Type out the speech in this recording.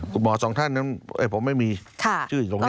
คุณหมอสองท่านผมไม่มีชื่ออีกตรงนี้